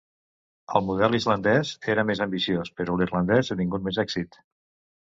El model islandès era més ambiciós, però l’irlandès ha tingut més èxit.